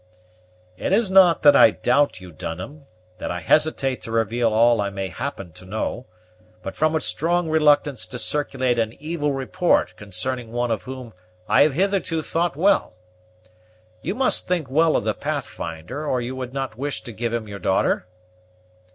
"It is not that I doubt you, Dunham, that I hesitate to reveal all I may happen to know; but from a strong reluctance to circulate an evil report concerning one of whom I have hitherto thought well. You must think well of the Pathfinder, or you would not wish to give him your daughter?"